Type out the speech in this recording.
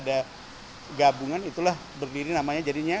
dan gabungan itulah berdiri namanya jadinya